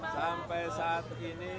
sampai saat ini